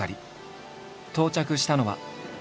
到着したのは。